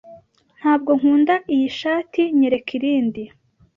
Ntabwo nkunda iyi shati. Nyereka irindi.